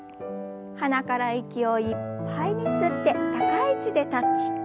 鼻から息をいっぱいに吸って高い位置でタッチ。